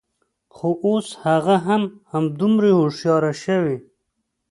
خو، اوس هغه هم همدومره هوښیاره شوې